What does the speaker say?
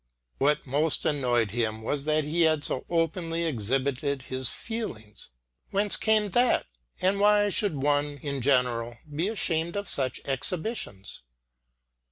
What most annoyed him was that he had so openly exhibited his feelings. Whence came that? And why should one in general be ashamed of such exhibitions?